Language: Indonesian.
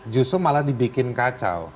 justru malah dibikin kacau